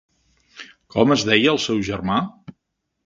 Com es deia el seu germà?